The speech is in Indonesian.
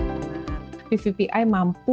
pvpi mampu membunuh virus dibandingkan antiseptik